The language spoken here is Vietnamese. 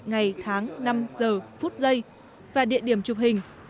ngày tháng năm giờ phút giây và địa điểm chụp hình